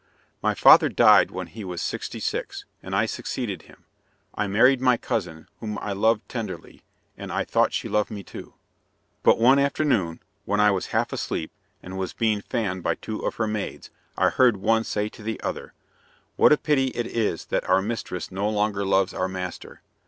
My father died when he was sixty six, and I succeeded him. I married my cousin, whom I loved tenderly, and I thought she loved me too. But one afternoon, when I was half asleep, and was being fanned by two of her maids, I heard one say to the other, "What a pity it is that our mistress no longer loves our master!